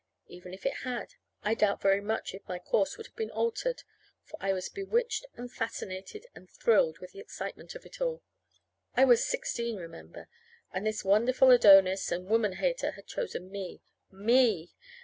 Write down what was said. Even if it had, I doubt very much if my course would have been altered, for I was bewitched and fascinated and thrilled with the excitement of it all. I was sixteen, remember, and this wonderful Adonis and woman hater had chosen me, _me!